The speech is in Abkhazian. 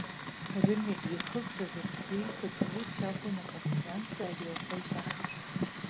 Рымҩа еихызҵәаз ацгәы-еиқәаҵәа еиԥш акәын апартизанцәа ари ақәа ишахәаԥшуаз.